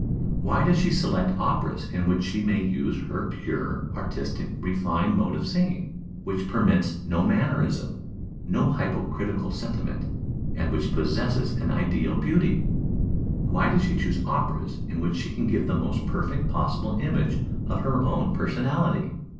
why does she select operas in which she may use her pure, artistic, refined mode of singing, which permits no mannerism, no hypocritical sentiment, and which possesses an ideal beauty? why does she choose operas in which she can give the most perfect possible image of her own personality?